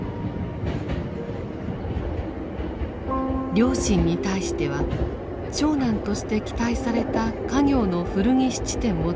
両親に対しては長男として期待された家業の古着質店を継ぐことを拒み